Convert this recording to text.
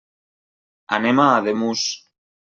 Anem a Ademús.